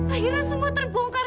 akhirnya semua terbongkar